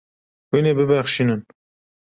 Hûn ê bibexşînin.